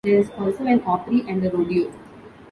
There is also an opry and a rodeo.